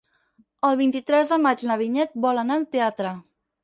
El vint-i-tres de maig na Vinyet vol anar al teatre.